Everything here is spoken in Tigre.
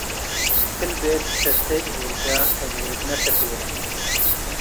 ክል ቤት ትሰቴ እብ ውርደ እብ ውርድነ ሰቴነ፣